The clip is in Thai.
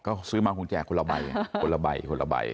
ก็ซื้อมากุญแจคนละใบคนละใบคนละใบ